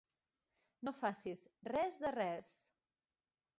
No facis res de res.